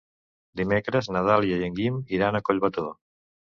Dimecres na Dàlia i en Guim iran a Collbató.